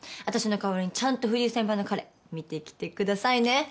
私の代わりにちゃんと藤井先輩の彼見てきてくださいね。